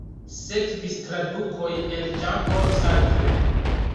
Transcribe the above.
Sekvis tradukoj el Jean-Paul Sartre.